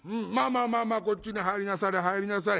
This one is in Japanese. まあまあこっちに入りなされ入りなされ。